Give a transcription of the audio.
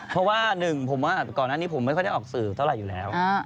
เพราะว่าหนึ่งผมว่าก่อนอันนี้ผมไม่ค่อยได้ออกสื่อเท่าไหร่อยู่แล้ว